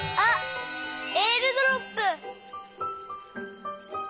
えーるドロップ！